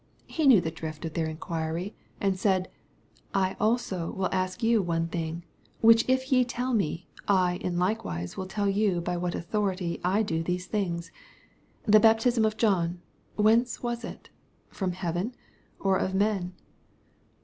He knew the drift of their inquiry, and said, "I also will ask you one thing, which if ye tell me, I in likewise will tell you by what authority I do these things. The baptism of John, whence was it ? from heaven or of men